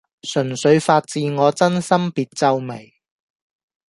純粹發自我真心別皺眉